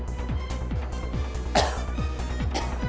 gua ngerjain dia